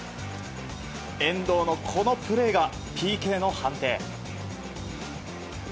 遠藤の、このプレーがＰＫの判定。